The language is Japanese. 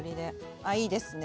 あいいですね。